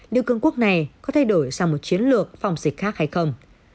điều cường quốc này có thay đổi sang một chiến lược phòng dịch khác hay không